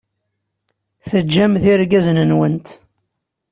Teǧǧamt irgazen-nwent.